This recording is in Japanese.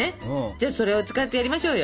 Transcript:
じゃあそれを使ってやりましょうよ。